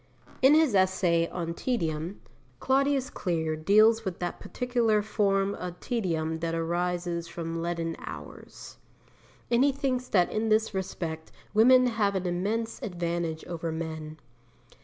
In his essay on Tedium, Claudius Clear deals with that particular form of tedium that arises from leaden hours. And he thinks that in this respect women have an immense advantage over men.